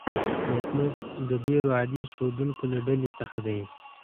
لتمس د ډیرو عادي ښودونکو له ډلې څخه دی.